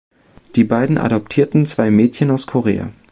Die beiden adoptierten zwei Mädchen aus Korea.